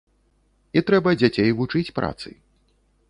І трэба дзяцей вучыць працы.